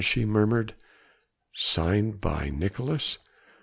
she murmured, "signed by Nicolaes?"